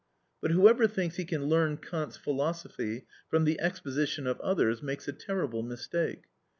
But whoever thinks he can learn Kant's philosophy from the exposition of others makes a terrible mistake.